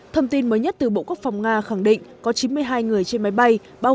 thông tin mới nhất từ bộ quốc phòng nga khẳng định có chín mươi hai người trên máy bay